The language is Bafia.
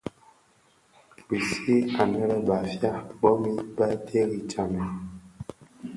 Bi sig anë lè Bafia bomid bè terri tsamèn.